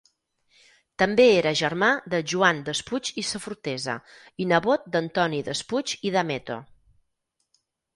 També era germà de Joan Despuig i Safortesa i nebot d'Antoni Despuig i Dameto.